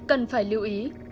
cần phải lưu ý